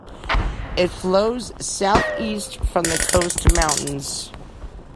It flows south-east from the Coast Mountains.